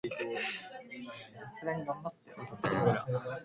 Trintignant's win put doubt in the superiority of front-engined cars.